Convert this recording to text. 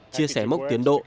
chia sẻ mốc tiến độ